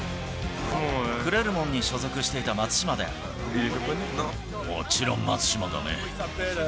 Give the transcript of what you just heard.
クレルモンに所属していた松もちろん、松島だね。